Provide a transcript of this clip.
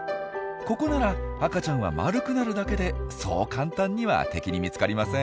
ここなら赤ちゃんは丸くなるだけでそう簡単には敵に見つかりません。